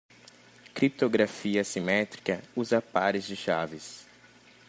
Criptografia assimétrica usa pares de chaves.